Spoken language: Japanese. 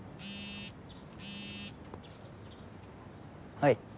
はい。